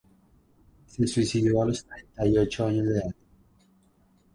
Se suicidó a los treinta y ocho años de edad.